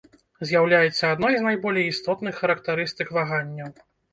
З'яўляецца адной з найболей істотных характарыстык ваганняў.